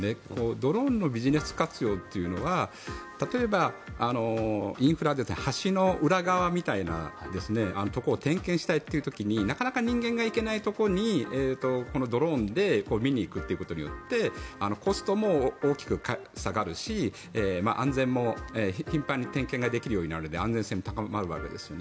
ドローンのビジネス活用というのは例えば、インフラで橋の裏側みたいなところを点検したいという時になかなか人間が行けないところにこのドローンで見に行くことによってコストも大きく下がるし安全も、頻繁に点検ができるようになるので安全性も高まるわけですよね。